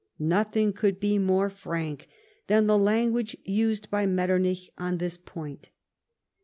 Nothin" could be more frank than the language used by Metternich on this point.